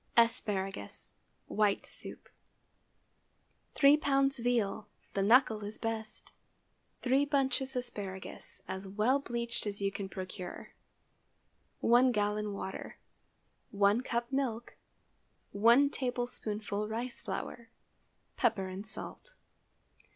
ASPARAGUS (White soup.) 3 lbs. veal. The knuckle is best. 3 bunches asparagus, as well bleached as you can procure. 1 gallon water. 1 cup milk. 1 tablespoonful rice flour. Pepper and salt.